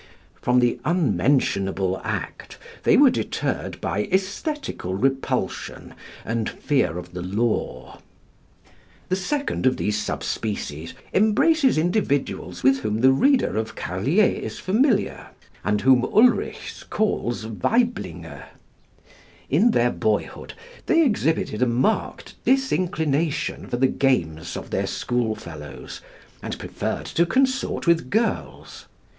From the unmentionable act they were deterred by æsthetical repulsion and fear of the law. The second of these sub species embraces the individuals with whom the reader of Carlier is familiar, and whom Ulrichs calls Weiblinge. In their boyhood they exhibited a marked disinclination for the games of their school fellows, and preferred to consort with girls.